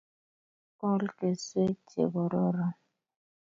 Kol keswek chekororon